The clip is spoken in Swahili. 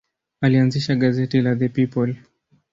Alianzisha gazeti la The People.